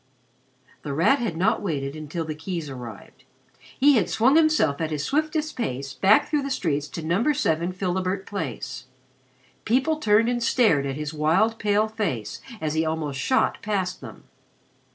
The Rat had not waited until the keys arrived. He had swung himself at his swiftest pace back through the streets to No. 7 Philibert Place. People turned and stared at his wild pale face as he almost shot past them.